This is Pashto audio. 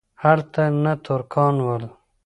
هلته نه ترکان ول.